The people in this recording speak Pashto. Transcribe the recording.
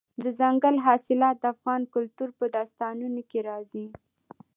دځنګل حاصلات د افغان کلتور په داستانونو کې راځي.